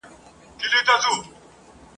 تاته رسیږي له خپله لاسه !.